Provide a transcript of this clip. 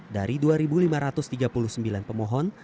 dari dua lima ratus tiga puluh sembilan pemohon